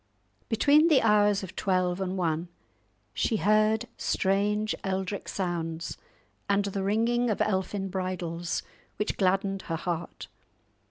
Between the hours of twelve and one she heard strange eldrich sounds and the ringing of elfin bridles, which gladdened her heart.